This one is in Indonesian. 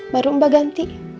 baru mbak ganti